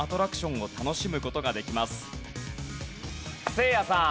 せいやさん。